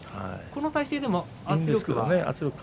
この体勢でも圧力は。